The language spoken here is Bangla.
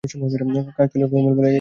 কাকতালীয় মিল বলে একে উড়িয়ে দেয়া যাবে না।